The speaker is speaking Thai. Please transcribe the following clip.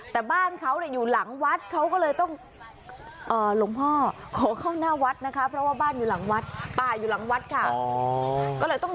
แต่บ้านเขาเนี่ยอยู่หลังวัดเขาก็เลยต้อง